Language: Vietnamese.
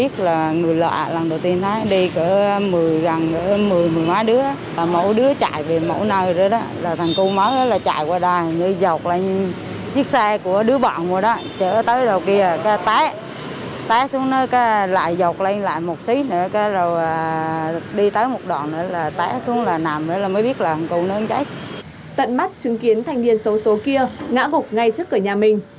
tận mắt chứng kiến thanh niên xấu xố kia ngã ngục ngay trước cửa nhà mình